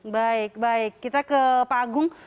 baik baik kita ke pak agung